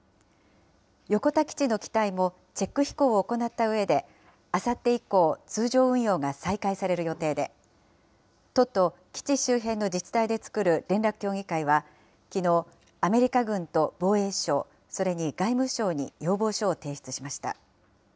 横田基地の機体もチェック飛行を行ったうえで、あさって以降、通常運用が再開される予定で、都と基地周辺の自治体で作る連絡協議会はきのう、アメリカ軍と防衛省、それに外務省に要望書を提出しました。